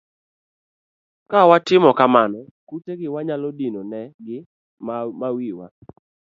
Ka watimo kamano kute gi wanyalo dino ne gi ma wiwa